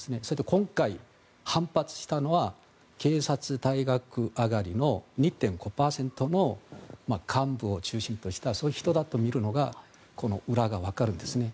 今回、反発したのは警察大学上がりの２．５％の幹部を中心としたそういう人だと見るとこの裏が分かるんですね。